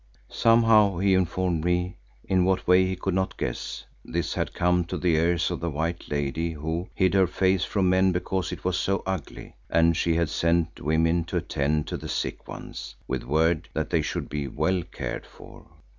Somehow, he informed me, in what way he could not guess, this had come to the ears of the White Lady who "hid her face from men because it was so ugly," and she had sent women to attend to the sick ones, with word that they should be well cared for.